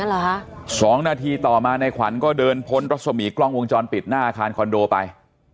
เหรอฮะสองนาทีต่อมาในขวัญก็เดินพ้นรัศมีกล้องวงจรปิดหน้าอาคารคอนโดไป